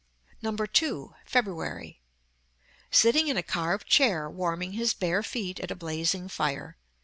2. FEBRUARY. _Sitting in a carved chair, warming his bare feet at a blazing fire.